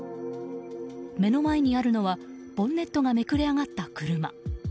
目の前にあるのはボンネットがめくれ上がった車。